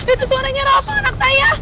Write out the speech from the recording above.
itu suaranya rawa anak saya